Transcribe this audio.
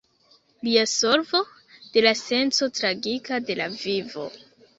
Lia solvo: "De la senco tragika de la vivo".